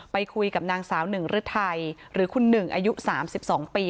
ไปคุยกับนางสาวหนึ่งฤทัยหรือคุณหนึ่งอายุ๓๒ปี